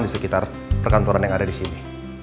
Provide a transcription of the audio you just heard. di sekitar perkantoran yang ada disini